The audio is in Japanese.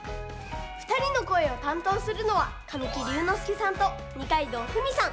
ふたりのこえをたんとうするのは神木隆之介さんと二階堂ふみさん。